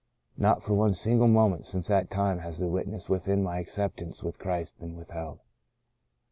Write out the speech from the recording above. Not for one single moment since that time has the witness within of my acceptance with Christ been withheld.